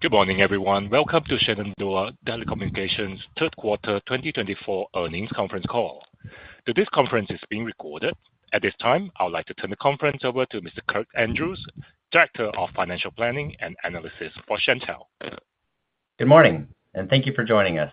Good morning, everyone. Welcome to Shenandoah Telecommunications' third quarter 2024 earnings conference call. Today's conference is being recorded. At this time, I would like to turn the conference over to Mr. Kirk Andrews, Director of Financial Planning and Analysis for Shentel. Good morning, and thank you for joining us.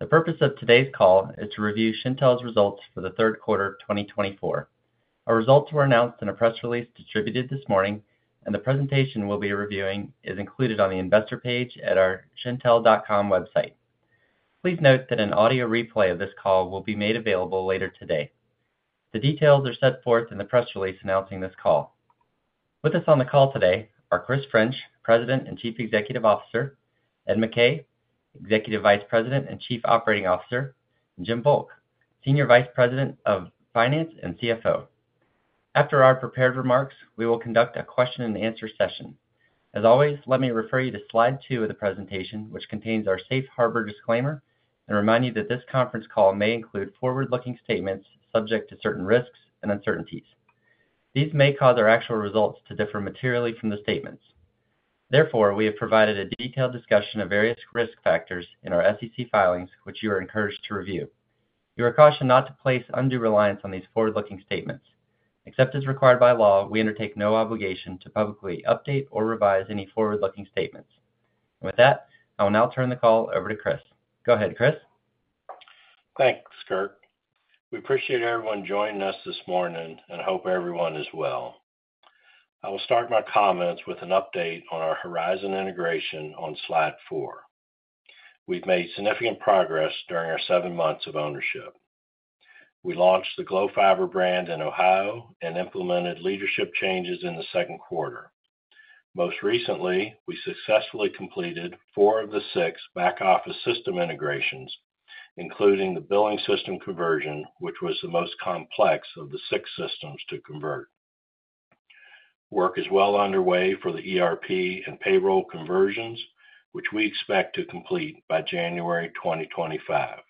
The purpose of today's call is to review Shentel's results for the third quarter 2024. Our results were announced in a press release distributed this morning, and the presentation we'll be reviewing is included on the investor page at our shentel.com website. Please note that an audio replay of this call will be made available later today. The details are set forth in the press release announcing this call. With us on the call today are Chris French, President and Chief Executive Officer, Ed McKay, Executive Vice President and Chief Operating Officer, and Jim Volk, Senior Vice President of Finance and CFO. After our prepared remarks, we will conduct a question-and-answer session. As always, let me refer you to Slide 2 of the presentation, which contains our Safe Harbor disclaimer, and remind you that this conference call may include forward-looking statements subject to certain risks and uncertainties. These may cause our actual results to differ materially from the statements. Therefore, we have provided a detailed discussion of various risk factors in our SEC filings, which you are encouraged to review. You are cautioned not to place undue reliance on these forward-looking statements. Except as required by law, we undertake no obligation to publicly update or revise any forward-looking statements. And with that, I will now turn the call over to Chris. Go ahead, Chris. Thanks, Kirk. We appreciate everyone joining us this morning and hope everyone is well. I will start my comments with an update on our Horizon integration on Slide four. We've made significant progress during our seven months of ownership. We launched the Glo Fiber brand in Ohio and implemented leadership changes in the second quarter. Most recently, we successfully completed four of the six back-office system integrations, including the billing system conversion, which was the most complex of the six systems to convert. Work is well underway for the ERP and payroll conversions, which we expect to complete by January 2025.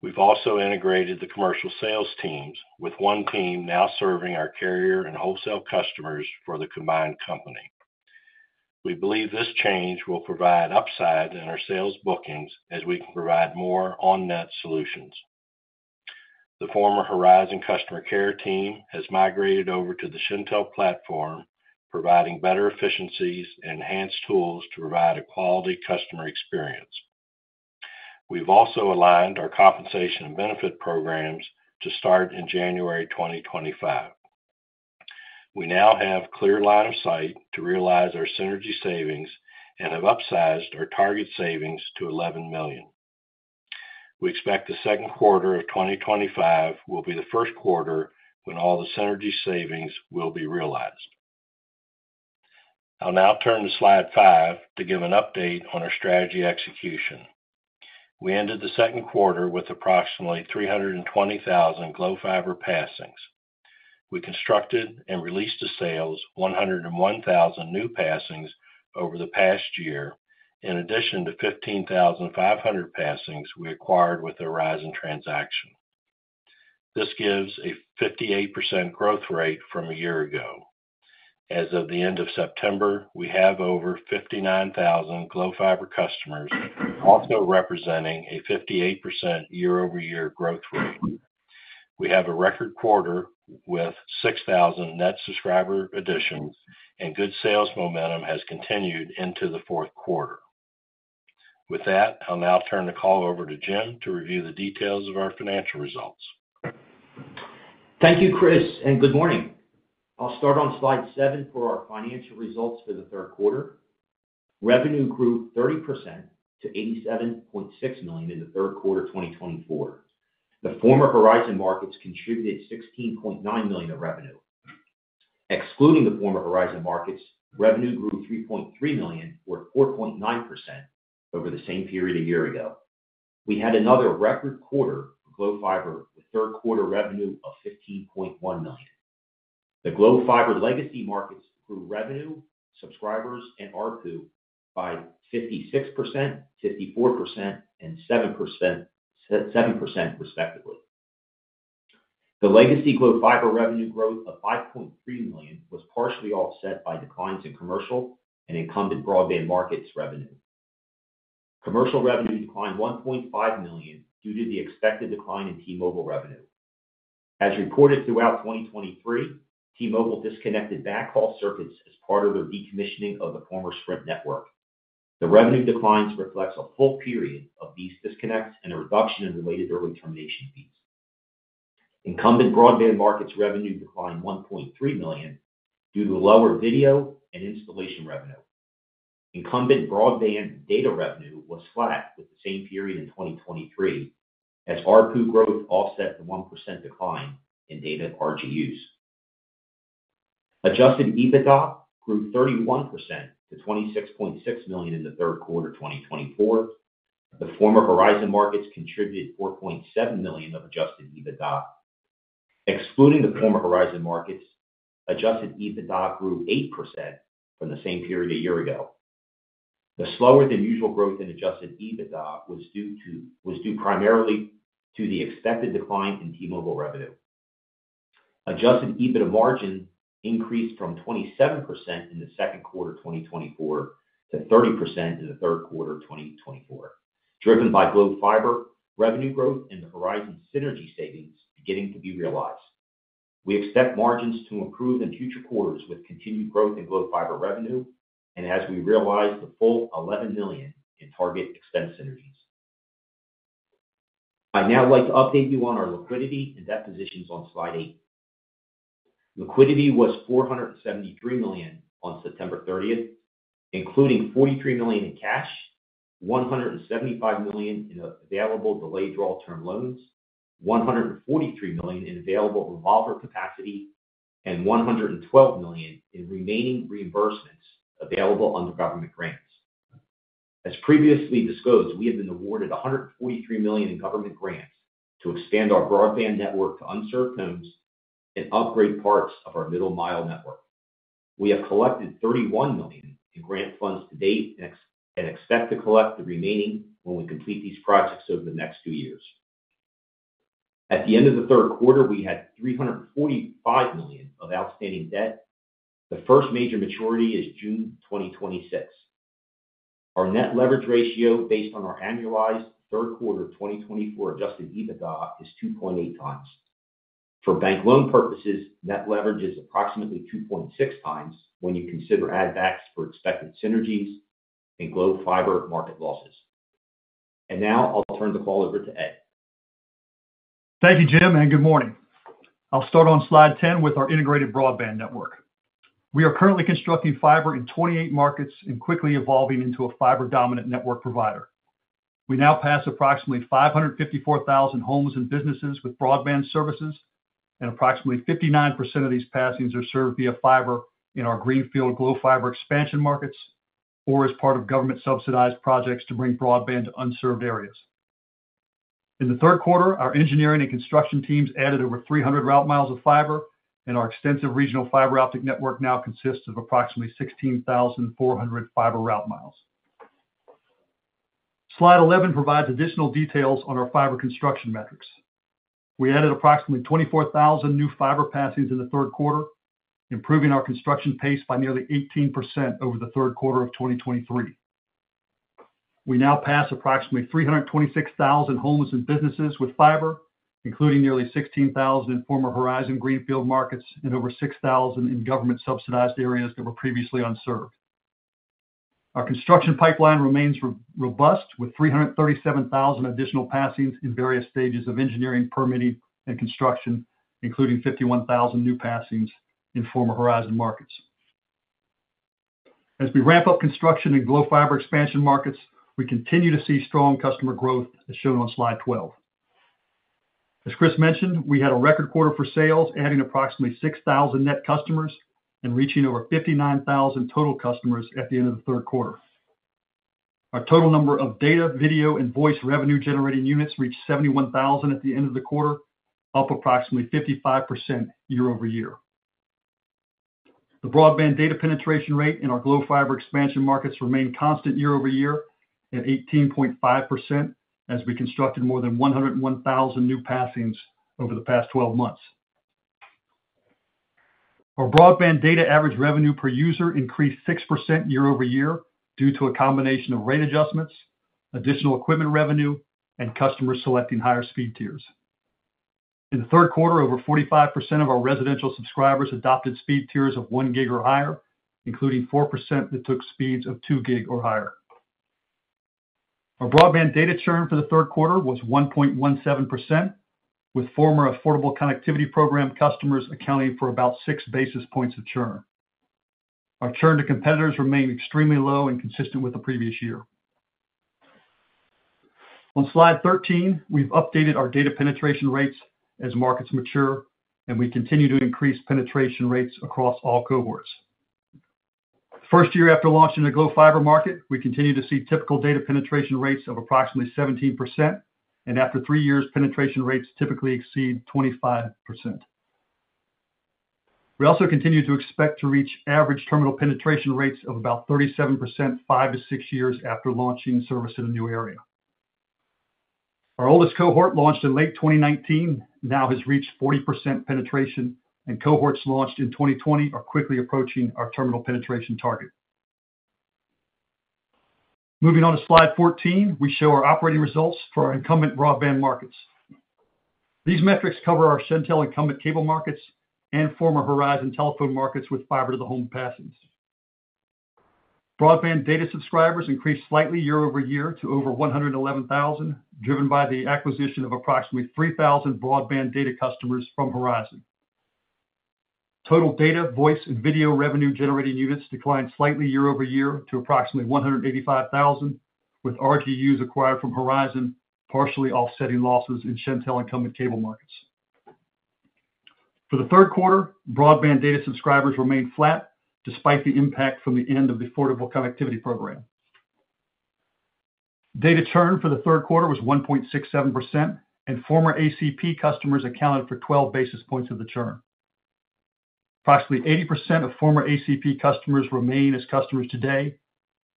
We've also integrated the commercial sales teams, with one team now serving our carrier and wholesale customers for the combined company. We believe this change will provide upside in our sales bookings as we can provide more on-net solutions. The former Horizon customer care team has migrated over to the Shentel platform, providing better efficiencies and enhanced tools to provide a quality customer experience. We've also aligned our compensation and benefit programs to start in January 2025. We now have a clear line of sight to realize our synergy savings and have upsized our target savings to $11 million. We expect the second quarter of 2025 will be the first quarter when all the synergy savings will be realized. I'll now turn to Slide five to give an update on our strategy execution. We ended the second quarter with approximately 320,000 Glo Fiber passings. We constructed and released to sales 101,000 new passings over the past year, in addition to 15,500 passings we acquired with a Horizon transaction. This gives a 58% growth rate from a year ago. As of the end of September, we have over 59,000 Glo Fiber customers, also representing a 58% year-over-year growth rate. We have a record quarter with 6,000 net subscriber additions, and good sales momentum has continued into the fourth quarter. With that, I'll now turn the call over to Jim to review the details of our financial results. Thank you, Chris, and good morning. I'll start on Slide 7 for our financial results for the third quarter. Revenue grew 30% to $87.6 million in the third quarter 2024. The former Horizon markets contributed $16.9 million of revenue. Excluding the former Horizon markets, revenue grew $3.3 million, or 4.9%, over the same period a year ago. We had another record quarter for Glo Fiber with third quarter revenue of $15.1 million. The Glo Fiber legacy markets grew revenue, subscribers, and ARPU by 56%, 54%, and 7%, respectively. The legacy Glo Fiber revenue growth of $5.3 million was partially offset by declines in commercial and incumbent broadband markets revenue. Commercial revenue declined $1.5 million due to the expected decline in T-Mobile revenue. As reported throughout 2023, T-Mobile disconnected backhaul circuits as part of their decommissioning of the former Sprint network. The revenue declines reflect a full period of these disconnects and a reduction in related early termination fees. Incumbent broadband markets revenue declined $1.3 million due to lower video and installation revenue. Incumbent broadband data revenue was flat with the same period in 2023, as ARPU growth offset the 1% decline in data RGUs. Adjusted EBITDA grew 31% to $26.6 million in the third quarter 2024. The former Horizon markets contributed $4.7 million of adjusted EBITDA. Excluding the former Horizon markets, adjusted EBITDA grew 8% from the same period a year ago. The slower-than-usual growth in adjusted EBITDA was due primarily to the expected decline in T-Mobile revenue. Adjusted EBITDA margin increased from 27% in the second quarter 2024 to 30% in the third quarter 2024, driven by Glo Fiber revenue growth and the Horizon synergy savings beginning to be realized. We expect margins to improve in future quarters with continued growth in Glo Fiber revenue and, as we realized, the full $11 million in target expense synergies. I'd now like to update you on our liquidity and debt positions on Slide eight. Liquidity was $473 million on September 30th, including $43 million in cash, $175 million in available delayed draw term loans, $143 million in available revolver capacity, and $112 million in remaining reimbursements available under government grants. As previously disclosed, we have been awarded $143 million in government grants to expand our broadband network to unserved homes and upgrade parts of our middle-mile network. We have collected $31 million in grant funds to date and expect to collect the remaining when we complete these projects over the next two years. At the end of the third quarter, we had $345 million of outstanding debt. The first major maturity is June 2026. Our net leverage ratio, based on our annualized third quarter 2024 adjusted EBITDA, is 2.8x. For bank loan purposes, net leverage is approximately 2.6x when you consider add-backs for expected synergies and Glo Fiber market losses. And now I'll turn the call over to Ed. Thank you, Jim, and good morning. I'll start on Slide 10 with our integrated broadband network. We are currently constructing fiber in 28 markets and quickly evolving into a fiber-dominant network provider. We now pass approximately 554,000 homes and businesses with broadband services, and approximately 59% of these passings are served via fiber in our greenfield Glo Fiber expansion markets or as part of government-subsidized projects to bring broadband to unserved areas. In the third quarter, our engineering and construction teams added over 300 route miles of fiber, and our extensive regional fiber optic network now consists of approximately 16,400 fiber route miles. Slide 11 provides additional details on our fiber construction metrics. We added approximately 24,000 new fiber passings in the third quarter, improving our construction pace by nearly 18% over the third quarter of 2023. We now pass approximately 326,000 homes and businesses with fiber, including nearly 16,000 in former Horizon greenfield markets and over 6,000 in government-subsidized areas that were previously unserved. Our construction pipeline remains robust, with 337,000 additional passings in various stages of engineering, permitting, and construction, including 51,000 new passings in former Horizon markets. As we ramp up construction in Glo Fiber expansion markets, we continue to see strong customer growth, as shown on Slide 12. As Chris mentioned, we had a record quarter for sales, adding approximately 6,000 net customers and reaching over 59,000 total customers at the end of the third quarter. Our total number of data, video, and voice revenue-generating units reached 71,000 at the end of the quarter, up approximately 55% year-over-year. The broadband data penetration rate in our Glo Fiber expansion markets remained constant year-over-year at 18.5% as we constructed more than 101,000 new passings over the past 12 months. Our broadband data average revenue per user increased 6% year-over-year due to a combination of rate adjustments, additional equipment revenue, and customers selecting higher speed tiers. In the third quarter, over 45% of our residential subscribers adopted speed tiers of 1 Gb/s or higher, including 4% that took speeds of 2 Gb/s or higher. Our broadband data churn for the third quarter was 1.17%, with former Affordable Connectivity Program customers accounting for about six basis points of churn. Our churn to competitors remained extremely low and consistent with the previous year. On Slide 13, we've updated our data penetration rates as markets mature, and we continue to increase penetration rates across all cohorts. The first year after launching the Glo Fiber market, we continue to see typical data penetration rates of approximately 17%, and after three years, penetration rates typically exceed 25%. We also continue to expect to reach average terminal penetration rates of about 37% five to six years after launching service in a new area. Our oldest cohort launched in late 2019 now has reached 40% penetration, and cohorts launched in 2020 are quickly approaching our terminal penetration target. Moving on to Slide 14, we show our operating results for our incumbent broadband markets. These metrics cover our Shentel incumbent cable markets and former Horizon telephone markets with fiber to the home passings. Broadband data subscribers increased slightly year-over-year to over 111,000, driven by the acquisition of approximately 3,000 broadband data customers from Horizon. Total data, voice, and video revenue-generating units declined slightly year-over-year to approximately 185,000, with RGUs acquired from Horizon partially offsetting losses in Shentel incumbent cable markets. For the third quarter, broadband data subscribers remained flat despite the impact from the end of the Affordable Connectivity Program. Data churn for the third quarter was 1.67%, and former ACP customers accounted for 12 basis points of the churn. Approximately 80% of former ACP customers remain as customers today.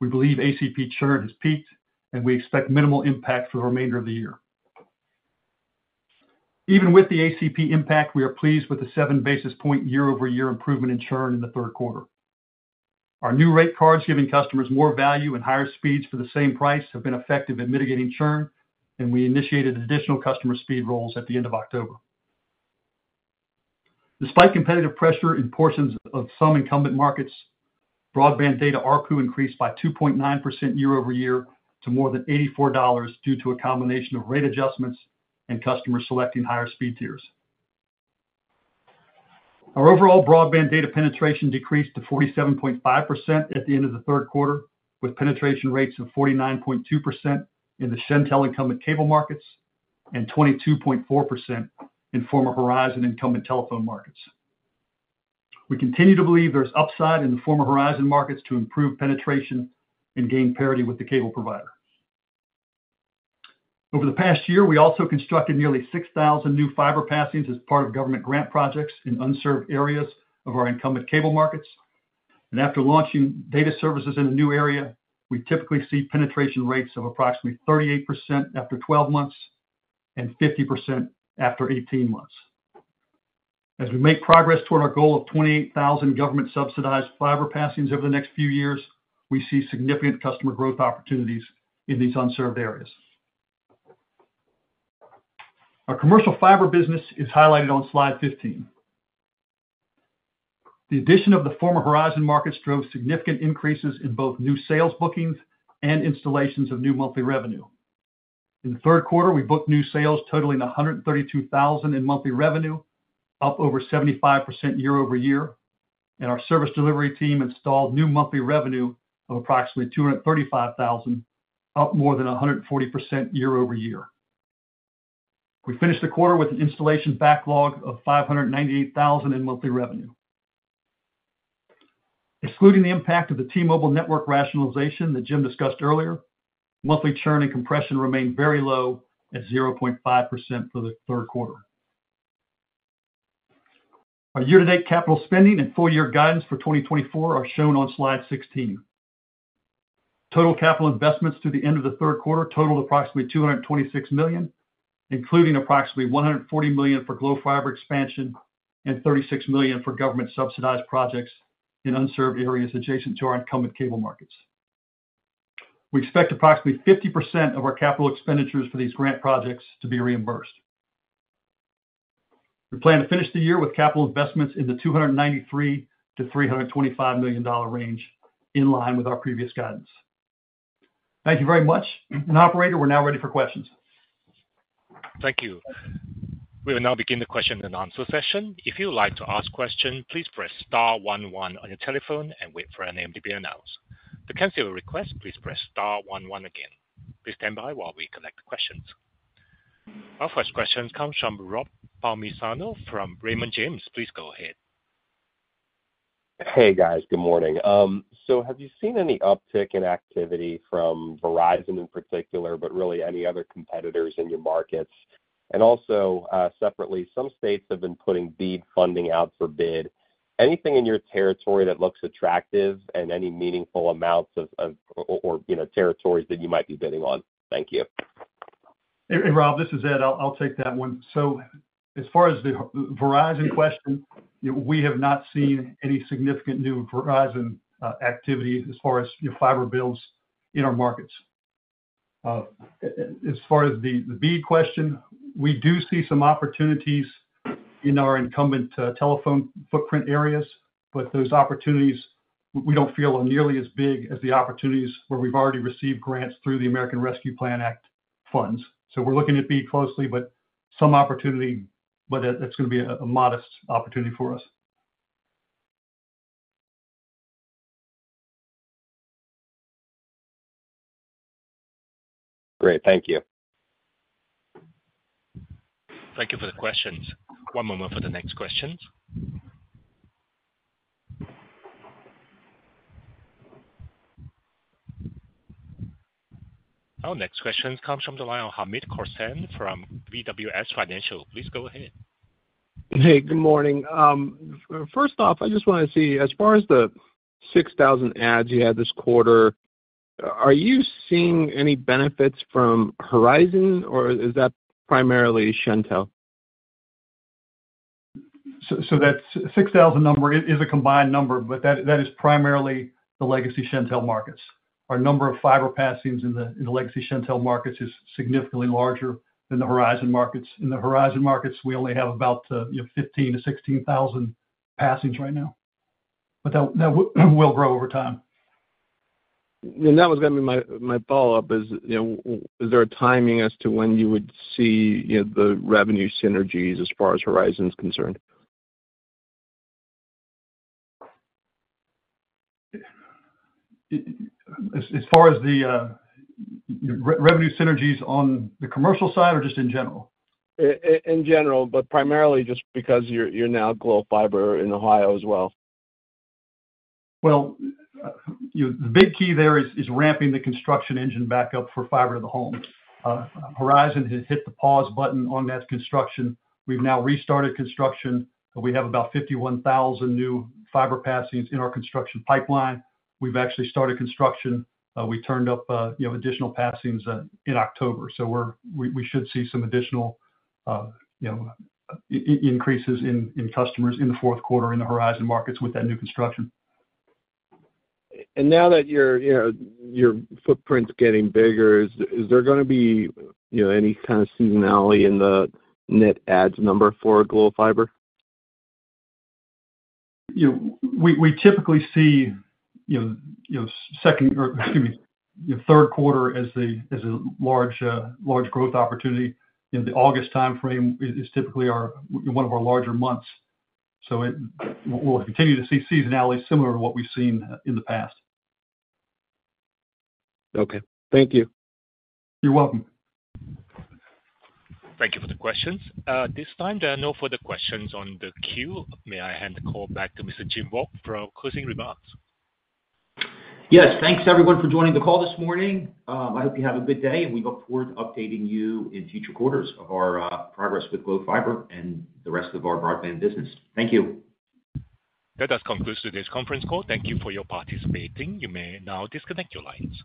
We believe ACP churn has peaked, and we expect minimal impact for the remainder of the year. Even with the ACP impact, we are pleased with the seven basis point year-over-year improvement in churn in the third quarter. Our new rate cards giving customers more value and higher speeds for the same price have been effective in mitigating churn, and we initiated additional customer speed rolls at the end of October. Despite competitive pressure in portions of some incumbent markets, broadband data ARPU increased by 2.9% year-over-year to more than $84 due to a combination of rate adjustments and customers selecting higher speed tiers. Our overall broadband data penetration decreased to 47.5% at the end of the third quarter, with penetration rates of 49.2% in the Shentel incumbent cable markets and 22.4% in former Horizon incumbent telephone markets. We continue to believe there's upside in the former Horizon markets to improve penetration and gain parity with the cable provider. Over the past year, we also constructed nearly 6,000 new fiber passings as part of government grant projects in unserved areas of our incumbent cable markets. And after launching data services in a new area, we typically see penetration rates of approximately 38% after 12 months and 50% after 18 months. As we make progress toward our goal of 28,000 government-subsidized fiber passings over the next few years, we see significant customer growth opportunities in these unserved areas. Our commercial fiber business is highlighted on Slide 15. The addition of the former Horizon markets drove significant increases in both new sales bookings and installations of new monthly revenue. In the third quarter, we booked new sales totaling 132,000 in monthly revenue, up over 75% year-over-year, and our service delivery team installed new monthly revenue of approximately 235,000, up more than 140% year-over-year. We finished the quarter with an installation backlog of 598,000 in monthly revenue. Excluding the impact of the T-Mobile network rationalization that Jim discussed earlier, monthly churn and compression remained very low at 0.5% for the third quarter. Our year-to-date capital spending and full-year guidance for 2024 are shown on Slide 16. Total capital investments to the end of the third quarter totaled approximately $226 million, including approximately $140 million for Glo Fiber expansion and $36 million for government-subsidized projects in unserved areas adjacent to our incumbent cable markets. We expect approximately 50% of our capital expenditures for these grant projects to be reimbursed. We plan to finish the year with capital investments in the $293 million-$325 million range in line with our previous guidance. Thank you very much. And, Operator, we're now ready for questions. Thank you. We will now begin the question and answer session. If you'd like to ask a question, please press star one one on your telephone and wait for a name to be announced. To cancel your request, please press star one one again. Please stand by while we collect questions. Our first question comes from Rob Palmisano from Raymond James. Please go ahead. Hey, guys. Good morning. So have you seen any uptick in activity from Verizon in particular, but really any other competitors in your markets? And also, separately, some states have been putting BEAD funding out for bid. Anything in your territory that looks attractive and any meaningful amounts of or territories that you might be bidding on? Thank you. Hey, Rob, this is Ed. I'll take that one. So as far as the Verizon question, we have not seen any significant new Verizon activity as far as fiber builds in our markets. As far as the BEAD question, we do see some opportunities in our incumbent telephone footprint areas, but those opportunities, we don't feel are nearly as big as the opportunities where we've already received grants through the American Rescue Plan Act funds. So we're looking at BEAD closely, but some opportunity, but that's going to be a modest opportunity for us. Great. Thank you. Thank you for the questions. One moment for the next questions. Our next question comes from Hamed Khorsand from BWS Financial. Please go ahead. Hey, good morning. First off, I just want to see, as far as the 6,000 adds you had this quarter, are you seeing any benefits from Horizon, or is that primarily Shentel? So that 6,000 number is a combined number, but that is primarily the legacy Shentel markets. Our number of fiber passings in the legacy Shentel markets is significantly larger than the Horizon markets. In the Horizon markets, we only have about 15-16,000 passings right now, but that will grow over time. And that was going to be my follow-up. Is there a timing as to when you would see the revenue synergies as far as Horizon's concerned? As far as the revenue synergies on the commercial side or just in general? In general, but primarily just because you're now Glo Fiber in Ohio as well. The big key there is ramping the construction engine back up for fiber to the home. Horizon has hit the pause button on that construction. We've now restarted construction. We have about 51,000 new fiber passings in our construction pipeline. We've actually started construction. We turned up additional passings in October. So we should see some additional increases in customers in the fourth quarter in the Horizon markets with that new construction. Now that your footprint's getting bigger, is there going to be any kind of seasonality in the net adds number for Glo Fiber? We typically see second or, excuse me, third quarter as a large growth opportunity. The August timeframe is typically one of our larger months. So we'll continue to see seasonality similar to what we've seen in the past. Okay. Thank you. You're welcome. Thank you for the questions. At this time, there are no further questions on the queue. May I hand the call back to Mr. Jim Volk for closing remarks? Yes. Thanks, everyone, for joining the call this morning. I hope you have a good day, and we look forward to updating you in future quarters of our progress with Glo Fiber and the rest of our broadband business. Thank you. That does conclude today's conference call. Thank you for your participating. You may now disconnect your lines.